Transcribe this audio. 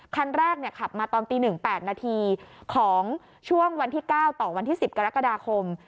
คันแรกขับมาตอนตี๑๘นาทีของช่วงวันที่๙ต่อวันที่๑๐กรกฎาคม